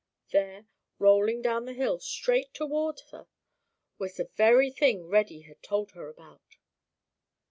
There, rolling down the hill straight towards her, was the very thing Reddy had told her about.